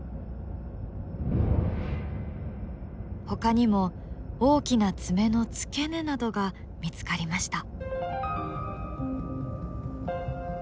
ほかにも大きな爪の付け根などが見つかりました。